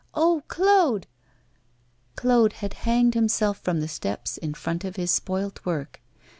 oh, Claude!' Claude had hanged himself from the steps in front of his spoilt work.